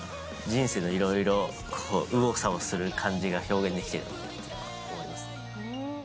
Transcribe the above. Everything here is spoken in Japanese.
人生のいろいろ、右往左往する感じが表現できているとは思います。